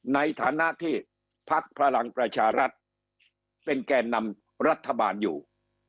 ในฐานะที่พักพลังประชารัฐเป็นแก่นำรัฐบาลอยู่